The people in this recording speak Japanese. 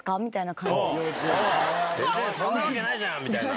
そんなわけないじゃん！みたいな。